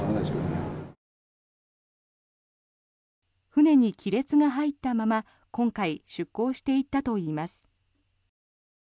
船に亀裂が入ったまま今回出港していったといいます。